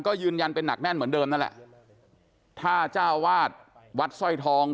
ก็ยืนยันเป็นหนักแน่นเหมือนเดิมนั่นแหละถ้าเจ้าวาดวัดสร้อยทอง